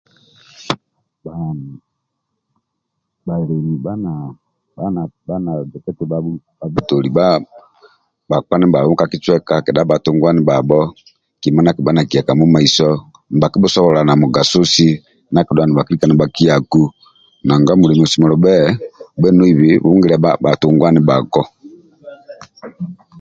Bha bhalemi bha bha bhali na zoka eti bhabhutoli bhakpa ndibhabho ka kicuweka kedha bhatunguwa ndihabho kima ndia akibha nakiya ka mumaiso nibhakibhusobolola na mugasosi ndia kidhuwa nibhakiyaku nanga mulemi osemelelu bhe obha noibi ongiliq bhatungua ndibhabho